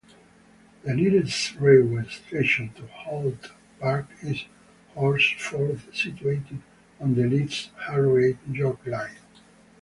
The nearest railway station to Holt Park is Horsforth situated on the Leeds-Harrogate-York Line.